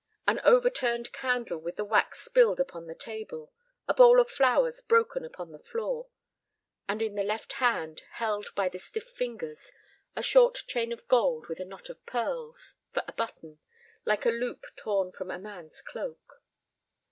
An overturned candle with the wax spilled upon the table, a bowl of flowers broken upon the floor. And in the left hand, held by the stiff fingers, a short chain of gold with a knot of pearls, for a button, like a loop torn from a man's cloak.